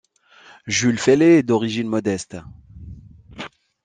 Jules Feller est d'origine modeste.